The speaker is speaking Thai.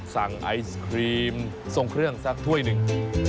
ไอศครีมทรงเครื่องสักถ้วยหนึ่ง